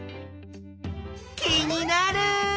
気になる！